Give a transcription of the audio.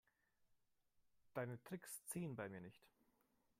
Deine Tricks ziehen bei mir nicht.